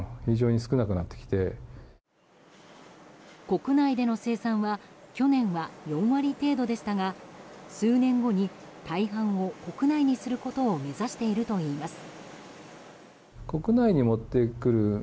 国内での生産は去年は４割程度でしたが数年後に大半を国内にすることを目指しているといいます。